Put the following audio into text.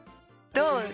どう？